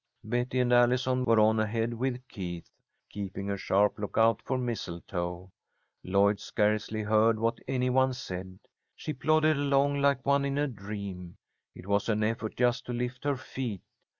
Betty and Allison were on ahead with Keith, keeping a sharp lookout for mistletoe. Lloyd scarcely heard what any one said. She plodded along like one in a dream. It was an effort just to lift her feet.